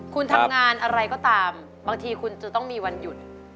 คุณทำงานอะไรก็ตามบางทีคุณจะต้องมีวันหยุด